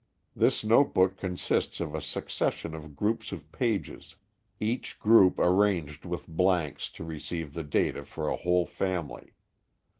This notebook consists of a succession of groups of pages, each group arranged with blanks to receive the data for a whole family.